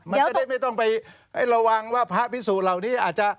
มันจะได้ไม่ต้องไประวังว่าพระพิสูจนเหล่านี้อาจจะ